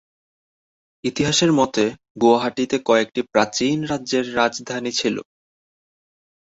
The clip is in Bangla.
ইতিহাসের মতে গুয়াহাটিতে কয়েকটি প্রাচীন রাজ্যের রাজধানী ছিল।